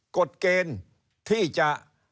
กฎเกณฑ์ที่จะ